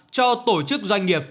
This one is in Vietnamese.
cho tổ chức doanh nghiệp